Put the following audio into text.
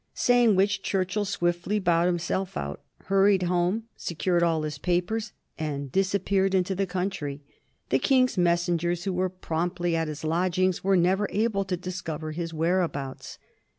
Saying which, Churchill swiftly bowed himself out, hurried home, secured all his papers, and disappeared into the country. The King's messengers, who were promptly at his lodgings, were never able to discover his whereabouts.